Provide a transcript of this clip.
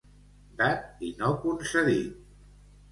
Dat i no concedit.